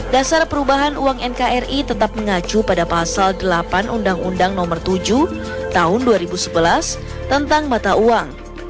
dasar perubahan uang nkri tetap mengacu pada pasal delapan undang undang nomor tujuh tahun dua ribu sebelas tentang mata uang